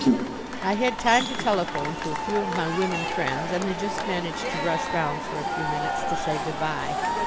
I had time to telephone to a few of my women friends, and they just managed to rush round for a few minutes to say good bye.